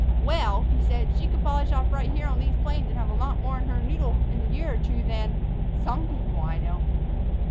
"Well," he said, "she could polish off right here on these plains and have a lot more in her noddle in a year or two than some people I know."